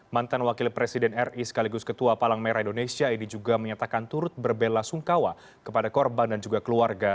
mantan wakil presiden ri sekaligus ketua palang merah indonesia ini juga menyatakan turut berbela sungkawa kepada korban dan juga keluarga